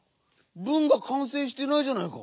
文がかんせいしてないじゃないか。